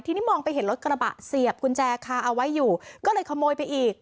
ทีนี้มองไปเห็นรถกระบะเสียบกุญแจคาเอาไว้อยู่ก็เลยขโมยไปอีก